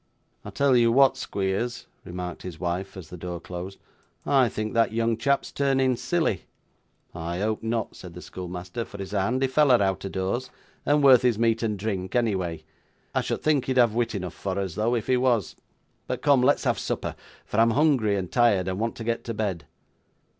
'I'll tell you what, Squeers,' remarked his wife as the door closed, 'I think that young chap's turning silly.' 'I hope not,' said the schoolmaster; 'for he's a handy fellow out of doors, and worth his meat and drink, anyway. I should think he'd have wit enough for us though, if he was. But come; let's have supper, for I am hungry and tired, and want to get to bed.